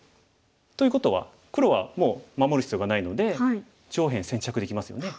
ということは黒はもう守る必要がないので上辺先着できますよね。